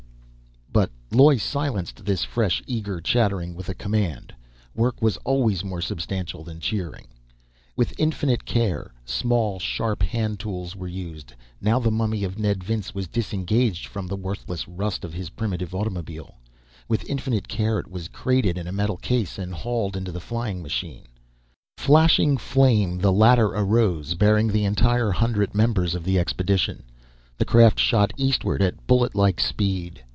"Tik, tik, tik!..." But Loy silenced this fresh, eager chattering with a command. Work was always more substantial than cheering. With infinite care small, sharp hand tools were used, now the mummy of Ned Vince was disengaged from the worthless rust of his primitive automobile. With infinite care it was crated in a metal case, and hauled into the flying machine. Flashing flame, the latter arose, bearing the entire hundred members of the expedition. The craft shot eastward at bullet like speed.